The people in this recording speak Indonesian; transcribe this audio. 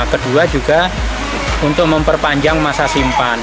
kedua juga untuk memperpanjang masa simpan